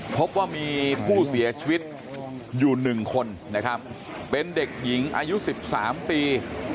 พบว่ามีผู้เสียชีวิตอยู่๑คนนะครับเป็นเด็กหญิงอายุ๑๓ปี